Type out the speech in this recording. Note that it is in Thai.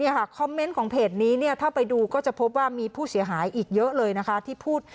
คอมเมนต์ของเพจนี้เนี่ยถ้าไปดูก็จะพบว่ามีผู้เสียหายอีกเยอะเลยนะคะที่พูด